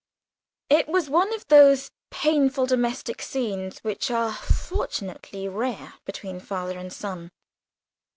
It was one of those painful domestic scenes which are fortunately rare between father and son.